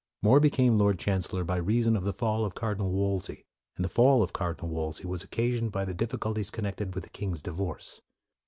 More became Lord Chancellor by rea son of the fall of Cardinal Wolsey; and the fall of Cardinal Wolsey was occasioned by the difficulties connected with the king's divorce.